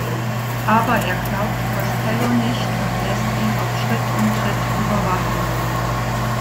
Aber er glaubt Costello nicht und lässt ihn auf Schritt und Tritt überwachen.